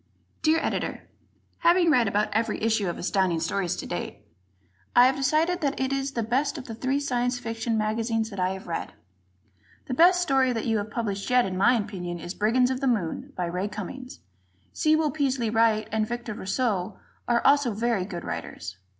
_ Dear Editor: Having read about every issue of Astounding Stories to date, I have decided that it is the best of the three Science Fiction magazines that I have read. The best story that you have published yet, in my opinion, is "Brigands of the Moon," by Ray Cummings. Sewell Peaslee Wright and Victor Rousseau are also very good writers.